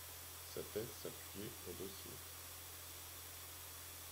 Sa tête s'appuyait au dossier.